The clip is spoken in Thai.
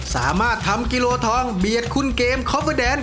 สามารถทำกิโลทองเบียดคุณเกมคอฟเวอร์แดน